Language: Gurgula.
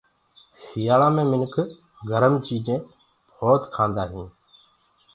سٚيآلآ مي منک گرم چيجينٚ ڀوت کآندآ هينٚ